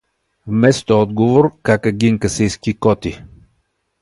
Вместо отговор кака Гинка се изкикоти.